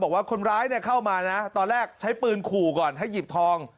บอกว่าคนร้ายเข้ามานะตอนแรกใช้ปืนขู่ก่อนให้หยิบทอง